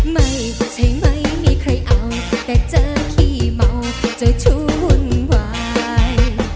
ไม่ใช่ไม่มีใครเอาแต่เจอขี้เมาจะชั่ววุ่นวาย